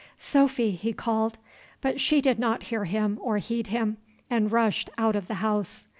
"Sophy!" he called; but she did not hear him or heed him, and rushed out of the house.